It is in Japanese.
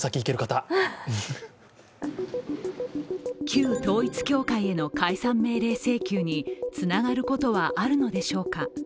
旧統一教会への解散命令請求につながることはあるのでしょうか。